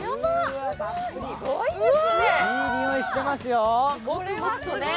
いい匂いしてますよ。